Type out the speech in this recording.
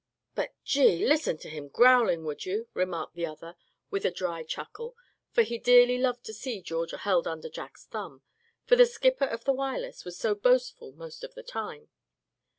"But gee! listen to him growling, would you?" remarked the other, with a dry chuckle, for he dearly loved to see George held under Jack's thumb, for the skipper of the Wireless was so boastful most of the time.